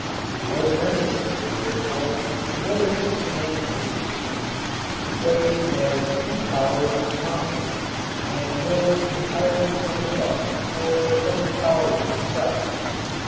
It was necessary, therefore, in order to span the great stream, to place as few towers as possible and build entirely from above or from the towers themselves.